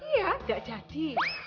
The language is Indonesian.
iya ngga jadi